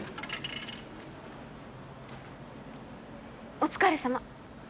お疲れさま。